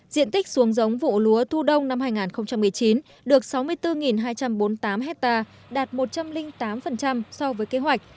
diện tích xuống giống vụ lúa thu đông năm hai nghìn một mươi chín được sáu mươi bốn hai trăm bốn mươi tám hectare đạt một trăm linh tám so với kế hoạch